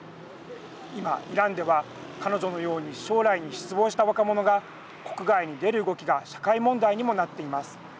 今、イランでは彼女のように将来に失望した若者が国外に出る動きが社会問題にもなっています。